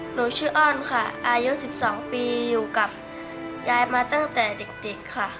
หนูชื่ออ้อนค่ะอายุ๑๒ปีอยู่กับยายมาตั้งแต่เด็กค่ะ